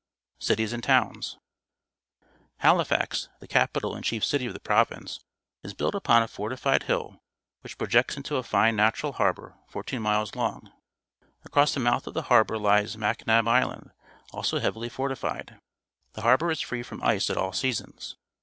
Cities and Towns. — HaUfaX j_the capital View of Halifax Harbour from the Citadel an d chief c ity of the province, js built upon a fortified hJlL which projects int o a fine n at ural harbour fourteen miles long. Across the mouth of the harbour lies Macnab Island, als o heavily fortifi ed. The harbour is free from ice at all seasons.